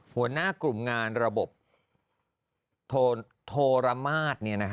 หัวหน้ากลุ่มงานระบบโทรมาศ